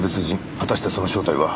果たしてその正体は？